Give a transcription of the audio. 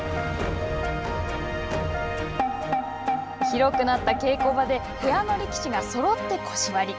広くなった稽古場で部屋の力士がそろって腰割り。